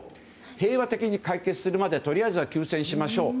平和的に解決するまでとりあえずは休戦しましょう。